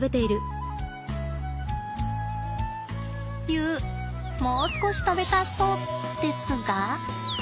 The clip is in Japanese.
ユウもう少し食べたそうですが。